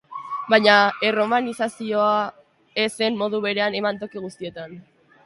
Baina erromanizazioa ez zen modu berean eman toki guztietan.